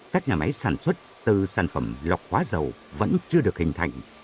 các nhà máy sản xuất từ sản phẩm lọc hóa dầu vẫn chưa được hình thành